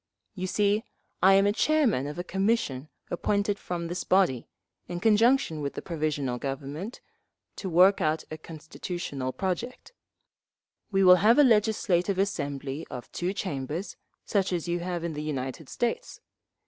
You see, I am chairman of a commission appointed from this body, in conjunction with the Provisional Government, to work out a constitutional project…. We will have a legislative assembly of two chambers, such as you have in the United States.